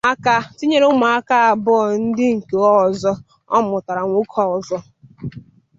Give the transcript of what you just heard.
tinyere ụmụaka abụọ ndị nke ọzọ ọ mụtaara nwoke ọzọ.